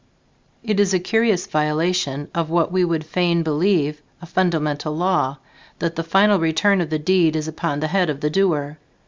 It is a curious violation of what we would fain believe a fundamental law that the final return of the deed is upon the head of the doer.